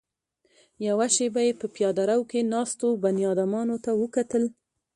يوه شېبه يې په پياده رو کې ناستو بنيادمانو ته وکتل.